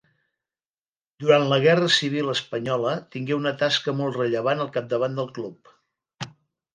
Durant la Guerra Civil espanyola tingué una tasca molt rellevant al capdavant del club.